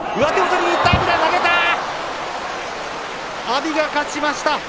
阿炎が勝ちました。